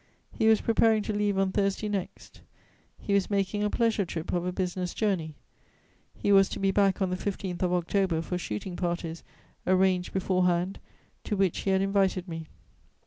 He was preparing to leave on Thursday next. He was making a pleasure trip of a business journey. He was to be back on the 15th of October for shooting parties, arranged beforehand, to which he had invited me.